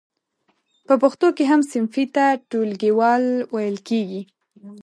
په پښتو کې هم صنفي ته ټولګیوال ویل کیږی.